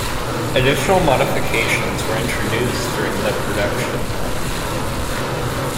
Additional modifications were introduced during the production run.